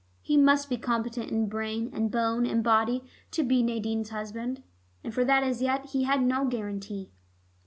He must be competent in brain and bone and body to be Nadine's husband. And for that as yet he had no guarantee.